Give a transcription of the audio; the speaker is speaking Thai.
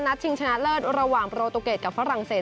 ชิงชนะเลิศระหว่างโปรตูเกตกับฝรั่งเศส